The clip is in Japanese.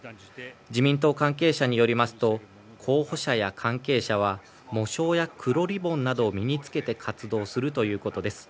自民党関係者によりますと候補者や関係者は喪章や黒リボンなどを身につけて活動するということです。